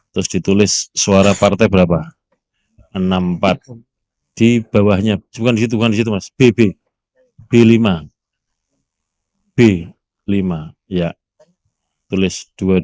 terus ditulis suara partai berapa enam empat di bawahnya bukan dihitungkan di situ mas b lima b lima ya tulis dua ribu dua puluh